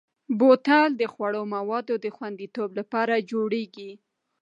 بوتل د خوړلو موادو د خوندیتوب لپاره جوړېږي.